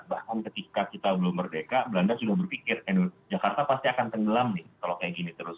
bahkan ketika kita belum merdeka belanda sudah berpikir jakarta pasti akan tenggelam nih kalau kayak gini terus